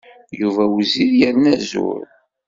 Yuba wezzil yerna zur.